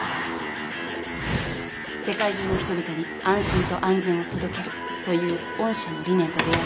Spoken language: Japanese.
世界中の人々に安心と安全を届けるという御社の理念と出合い。